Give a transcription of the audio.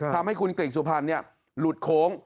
ทำให้คุณกริ่งสุพรรณหลุดโค้ง